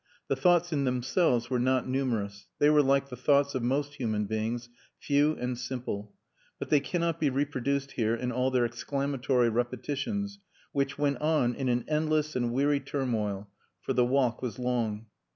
The thoughts in themselves were not numerous they were like the thoughts of most human beings, few and simple but they cannot be reproduced here in all their exclamatory repetitions which went on in an endless and weary turmoil for the walk was long.